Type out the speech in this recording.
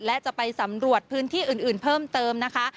และจะไปสำรวจพื้นที่อื่นเพิ่มเติมนะคะ